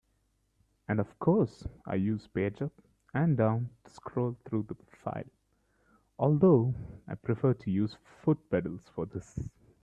And of course I use page up and down to scroll through the file, although I prefer to use foot pedals for this.